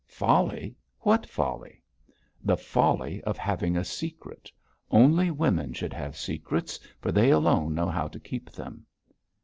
'Folly! What folly?' 'The folly of having a secret. Only women should have secrets, for they alone know how to keep them.'